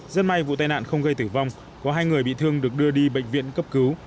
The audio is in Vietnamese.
rất may vụ tai nạn không gây tử vong có hai người bị thương được đưa đi bệnh viện cấp cứu